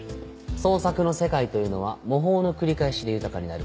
創作の世界というのは模倣の繰り返しで豊かになる。